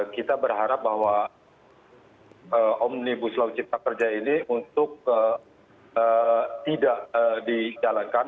kita berharap bahwa omnibus law cipta kerja ini untuk tidak dijalankan